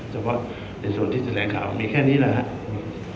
แต่เพราะในส่วนที่แสดงแข่งข่าวมีแค่นี้นะครับ